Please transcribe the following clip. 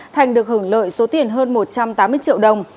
thành được hưởng lợi số tiền hơn một trăm tám mươi triệu đồng